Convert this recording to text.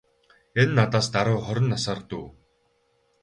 Энэ надаас даруй хорин насаар дүү.